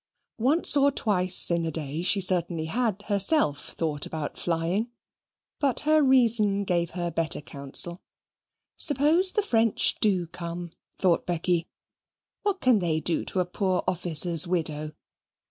Once or twice in the day she certainly had herself thought about flying. But her reason gave her better counsel. "Suppose the French do come," thought Becky, "what can they do to a poor officer's widow?